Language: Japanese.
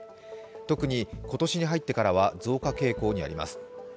特に今年に入ってからは増加傾向にあります。